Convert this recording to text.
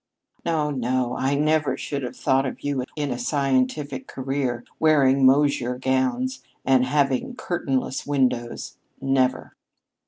No, no; I never should have thought of you in a scientific career, wearing Moshier gowns and having curtain less windows. Never!"